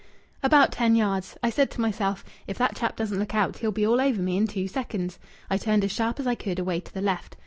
"About ten yards. I said to myself, 'If that chap doesn't look out he'll be all over me in two seconds.' I turned as sharp as I could away to the left.